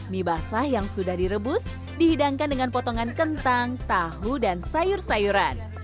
mie basah yang sudah direbus dihidangkan dengan potongan kentang tahu dan sayur sayuran